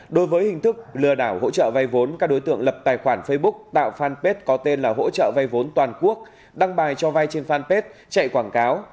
đối với hình thức lừa đảo hỗ trợ vay vốn các đối tượng lập tài khoản facebook tạo fanpage có tên là hỗ trợ vay vốn toàn quốc đăng bài cho vay trên fanpage chạy quảng cáo